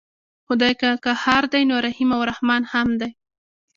خدای که قهار دی نو رحیم او رحمن هم دی.